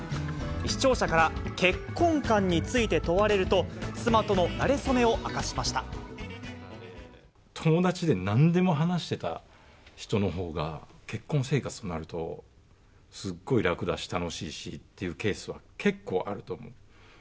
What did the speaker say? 視聴者から、結婚観について問われると、友達でなんでも話してた人のほうが、結婚生活となると、すっごい楽だし、楽しいしっていうケースは、結構あると思う。